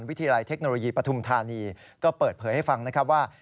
วิทยาลัยเทคโนโลยีปฐุมธานีก็เปิดเผยให้ฟังนะครับว่า